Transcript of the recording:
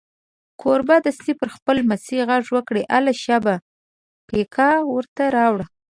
کوربه دستي پر خپل لمسي غږ وکړ: هله شابه پیکه ور ته راوړه.